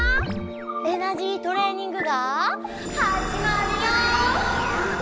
エナジートレーニングがはじまるよ！